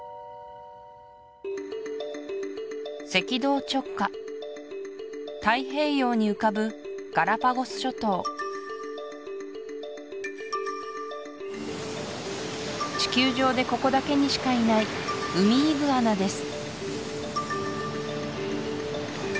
赤道直下太平洋に浮かぶガラパゴス諸島地球上でここだけにしかいないウミイグアナです